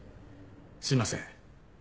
すいません。